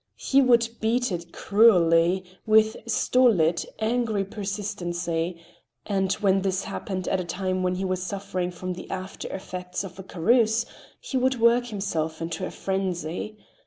He would beat it cruelly, with stolid, angry persistency, and when this happened at a time when he was suffering from the aftereffects of a carouse, he would work himself into a frenzy.